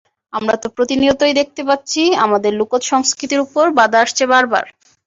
আমরা তো প্রতিনিয়তই দেখতে পাচ্ছি, আমাদের লোকজ সংস্কৃতির ওপর বাধা আসছে বারবার।